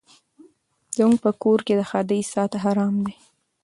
زموږ په کور کي د ښادۍ ساعت حرام دی